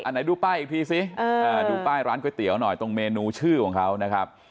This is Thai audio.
ไหนดูป้ายอีกทีซิดูป้ายร้านก๋วยเตี๋ยวหน่อยตรงเมนูชื่อของเขานะครับ